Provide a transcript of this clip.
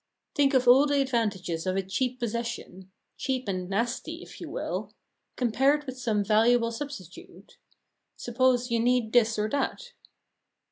Think of all the advantages of a cheap possession cheap and nasty, if you will compared with some valuable substitute. Suppose you need this or that.